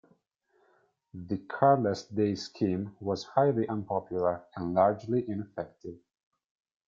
The carless days scheme was highly unpopular, and largely ineffective.